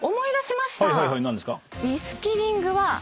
何ですか？